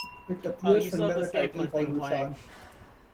It appears under a title called vichar.